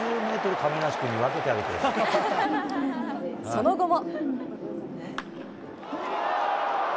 その後も。